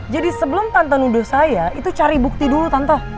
jadi sebelum tante nuduh saya itu cari bukti dulu tante